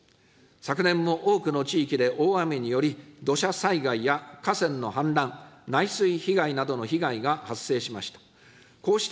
昨年も多くの地域で大雨により、土砂災害や河川の氾濫、内水被害などの被害が発生しました。